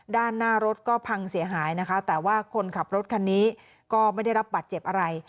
ด้านหน้ารถก็พังเสียหายนะคะแต่ว่าคนขับรถคันนี้ก็ไม่ได้รับบัตรเจ็บอะไร